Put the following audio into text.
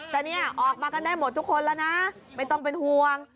แต่เนี่ยออกมากันได้หมดทุกคนแล้วนะไม่ต้องเป็นห่วง